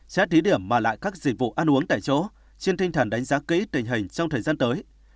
xét thí điểm mà lại các dịch vụ ăn uống tại chỗ trên tinh thần đánh giá kỹ tình hình trong thời gian tới